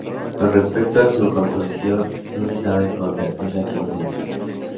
Con respecto a su composición, no se sabe con certeza quien es el autor.